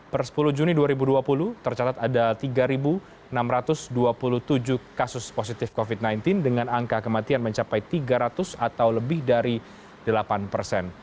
per sepuluh juni dua ribu dua puluh tercatat ada tiga enam ratus dua puluh tujuh kasus positif covid sembilan belas dengan angka kematian mencapai tiga ratus atau lebih dari delapan persen